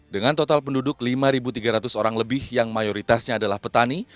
dengan total penduduk lima tiga ratus orang lebih yang mayoritasnya adalah petani